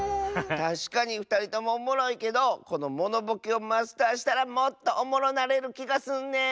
たしかにふたりともおもろいけどこのモノボケをマスターしたらもっとおもろなれるきがすんねん！